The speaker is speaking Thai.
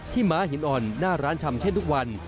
ม้าหินอ่อนหน้าร้านชำเช่นทุกวัน